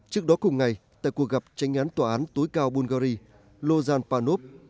trước đó cùng ngày tại cuộc gặp tranh án tòa án tối cao bungary lozan panov